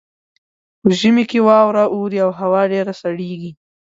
په ژمي کې واوره اوري او هوا ډیره سړیږي